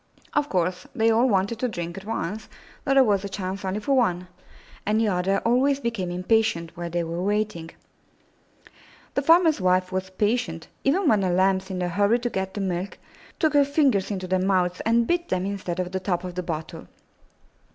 Of course they all wanted to drink at once, though there was only a chance for one, and the others always became impatient 256 IN THE NURSERY while they were waiting. The farmer's wife was patient, even when the Lambs, in their hurry to get the milk, took her fingers into their mouths and bit them instead of the top of the bottle.